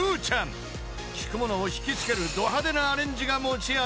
［聴く者を引きつけるド派手なアレンジが持ち味］